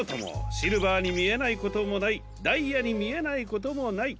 シルバーにみえないこともないダイヤにみえないこともない